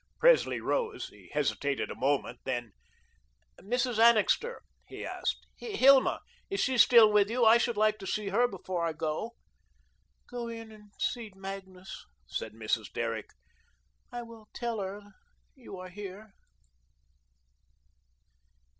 Presley rose. He hesitated a moment, then: "Mrs. Annixter," he asked, "Hilma is she still with you? I should like to see her before I go." "Go in and see Magnus," said Mrs. Derrick. "I will tell her you are here."